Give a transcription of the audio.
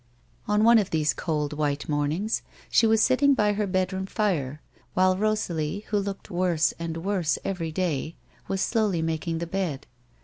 On one of thesi' cold, while mornings she was sitting b_v her bedroom tire, while liosalic, who looked worse and worse t'vt'rv ihiy, was slowly making the bed.